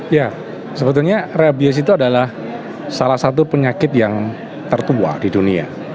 ya sebetulnya rabies itu adalah salah satu penyakit yang tertua di dunia